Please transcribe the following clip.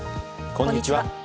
こんにちは。